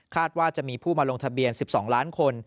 ว่าจะมีผู้มาลงทะเบียน๑๒ล้านคน